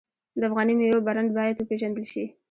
د افغاني میوو برنډ باید وپیژندل شي.